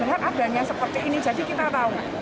melihat adanya seperti ini jadi kita tahu